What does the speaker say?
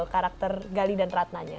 karakter galih dan ratnanya